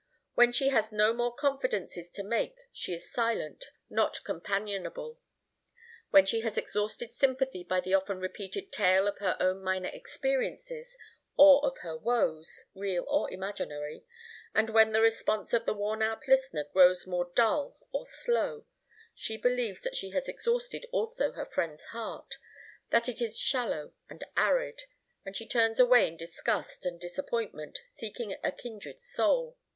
When she has no more confidences to make she is silent, not companionable. When she has exhausted sympathy by the often repeated tale of her own minor experiences or of her woes, real or imaginary, and when the response of the worn out listener grows more dull or slow, she believes that she has exhausted also her friend's heart, that it is shallow and arid, and she turns away in disgust and disappointment, seeking a kindred soul.